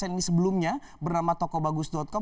yang ini sebelumnya bernama tokobagus com